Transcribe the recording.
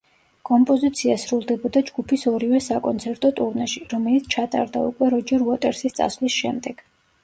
კომპოზიცია სრულდებოდა ჯგუფის ორივე საკონცერტო ტურნეში, რომელიც ჩატარდა უკვე როჯერ უოტერსის წასვლის შემდეგ.